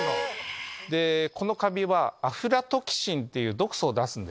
このカビはアフラトキシンって毒素を出す。